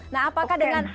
nah apakah dengan